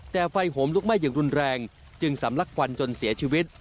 แต่ไฟโหมลุกไหม้อย่างรุนแรงจึงสำลักควันจนเสียชีวิต